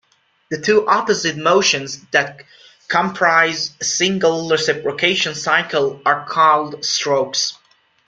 The two opposite motions that comprise a single reciprocation cycle are called strokes.